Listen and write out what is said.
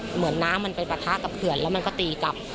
เหมือนน้ำมันไปปะทะกับเขื่อนแล้วมันก็ตีกลับ